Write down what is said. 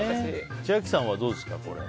千秋さんはどうですか？